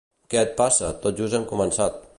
Què et passa, tot just hem començat.